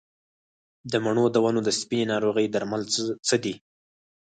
د مڼو د ونو د سپینې ناروغۍ درمل څه دي؟